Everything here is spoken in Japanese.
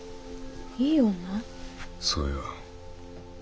そうよ。